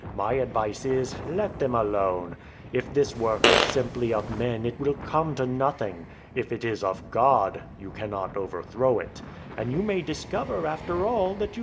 My advice is, let them alone. If this work' is simply of men it will come to nothing. If it is of God, you cannot overthrow it. And you may discover, after all, that you.